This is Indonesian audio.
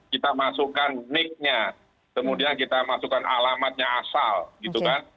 kita masukkan nick nya kemudian kita masukkan alamatnya asal gitu kan